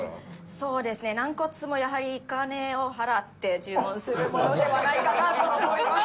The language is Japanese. そうですね軟骨もやはりお金を払って注文するものではないかなと思います。